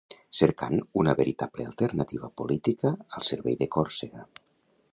Cercant una veritable alternativa política al servei de Còrsega.